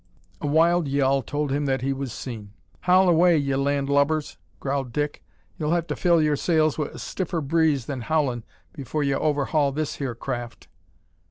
A wild yell told him that he was seen. "Howl away, ye land lubbers!" growled Dick. "You'll have to fill your sails wi' a stiffer breeze than howlin' before ye overhaul this here craft."